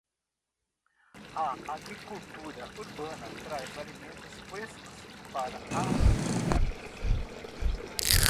A agricultura urbana traz alimentos frescos para as cidades.